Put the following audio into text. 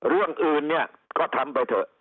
เรื่องอื่นเนี่ยก็ทำไปเถอะ